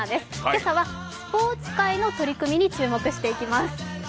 今朝はスポーツ界の取り組みに注目していきます。